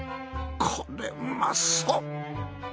これうまそう。